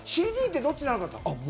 ＣＤってどっちなのかな？